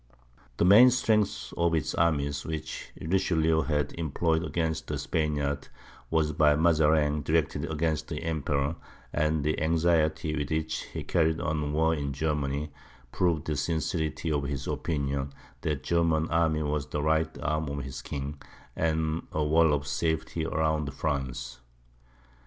The main strength of its armies, which Richelieu had employed against the Spaniards, was by Mazarin directed against the Emperor; and the anxiety with which he carried on the war in Germany, proved the sincerity of his opinion, that the German army was the right arm of his king, and a wall of safety around France.